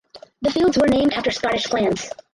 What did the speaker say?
The fields were named after Scottish clans.